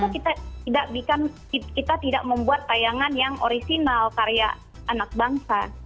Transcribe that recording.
kita tidak membuat tayangan yang orisinal karya anak bangsa